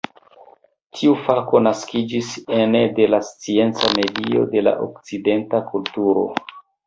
Tiu fako naskiĝis ene de la scienca medio de la okcidenta kulturo.